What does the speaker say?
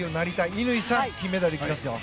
乾さん、金メダル行きますよ。